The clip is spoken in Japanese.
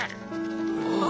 ああ。